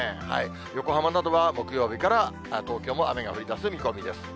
横浜などは木曜日から、東京も雨が降りだす見込みです。